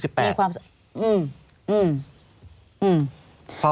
มีความศัตรู